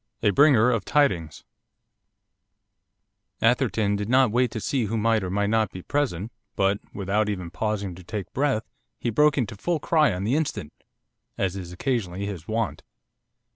A BRINGER OF TIDINGS Atherton did not wait to see who might or might not be present, but, without even pausing to take breath, he broke into full cry on the instant, as is occasionally his wont.